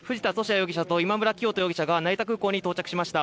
容疑者と今村磨人容疑者が成田空港に到着しました。